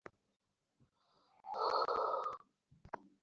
এবং এখন আমি আপনার সুপারিশ করতে পারবো না।